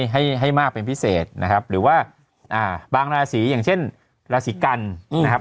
ให้มากเป็นพิเศษนะครับหรือบางลาสีอย่างเช่นลาสีกันเนี่ย